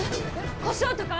コショウとか？